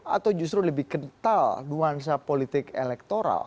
atau justru lebih kental nuansa politik elektoral